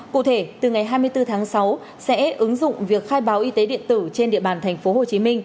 cụ thể từ ngày hai mươi bốn tháng sáu sẽ ứng dụng việc khai báo y tế điện tử trên địa bàn tp hcm